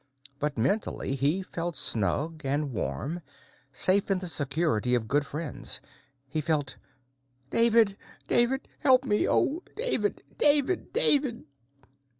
But mentally, he felt snug and warm, safe in the security of good friends. He felt "David! David! Help me! Oh, David, David, David!"